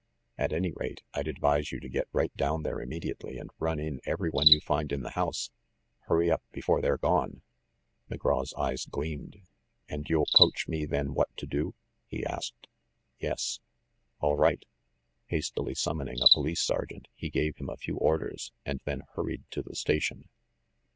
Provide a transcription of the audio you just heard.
At any rate, I'd advise you to get right down there immediately and run in every one you find in the house. Hurry up before they've gone !" McGraw's eyes gleamed. "And you'll coach me then what to do?" he asked. "Yes." "All right." Hastily summoning a police sergeant, he gave him a few orders, and then hurried to the station.